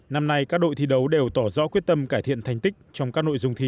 năm nay các đội thi đấu đều tỏ rõ quyết tâm cải thiện thành tích trong các nội dung thi